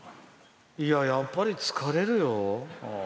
やっぱり疲れるよ。